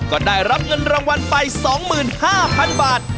ก็ได้รับเงินรางวัลไป๒๕๐๐๐บาท